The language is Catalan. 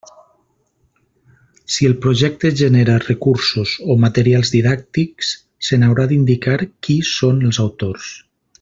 Si el projecte genera recursos o materials didàctics se n'haurà d'indicar qui són els autors.